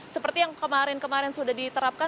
seperti yang kemarin kemarin sudah diterapkan